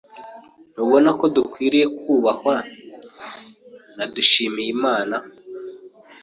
Ntubona ko dukwiye kubahwa na Dushyimiyimana?